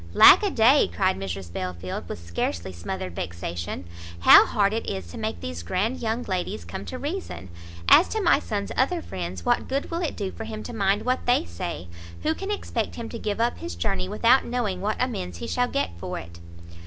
"Lack a day!" cried Mrs Belfield, with scarcely smothered vexation, "how hard it is to make these grand young ladies come to reason! As to my son's other friends, what good will it do for him to mind what they say? who can expect him to give up his journey, without knowing what amends he shall get for it?"